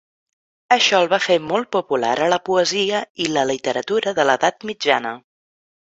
Això el va fer molt popular a la poesia i la literatura de l'Edat Mitjana.